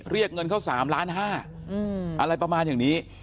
เรียกเงินเขาสามล้านห้าอืมอะไรประมาณอย่างนี้